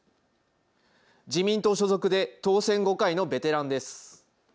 自民党所属で当選５回のベテランです。